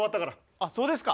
あそうですか。